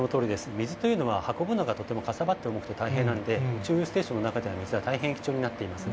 水というのは、運ぶのがとてもかさばって重くて大変なんで、宇宙ステーションの中では水は大変貴重になっています。